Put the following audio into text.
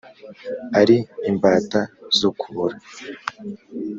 ari imbata zo kubora